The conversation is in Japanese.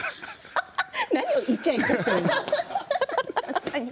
何をいちゃいちゃしてるんですか。